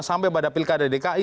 sampai pada pilkada dki